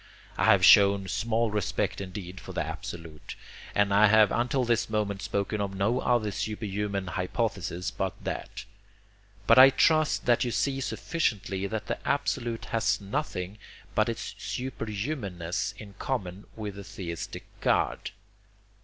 I have shown small respect indeed for the Absolute, and I have until this moment spoken of no other superhuman hypothesis but that. But I trust that you see sufficiently that the Absolute has nothing but its superhumanness in common with the theistic God.